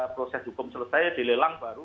proses hukum selesai dilelang baru